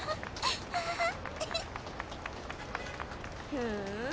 ふん。